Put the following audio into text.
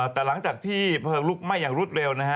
แต่หลังจากที่เผลอไหม้อย่างรุดเร็ว